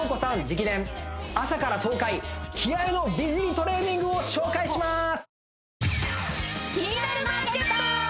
直伝朝から爽快気合の美尻トレーニングを紹介します